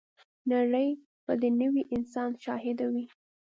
نړۍ به د نوي انسان شاهده وي.